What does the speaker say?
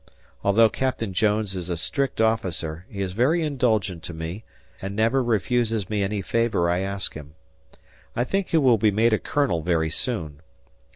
... Although Captain Jones is a strict officer he is very indulgent to me and never refuses me any favor I ask him. I think he will be made a Colonel very soon.